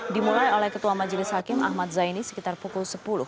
dimulai oleh ketua majelis hakim ahmad zaini sekitar pukul sepuluh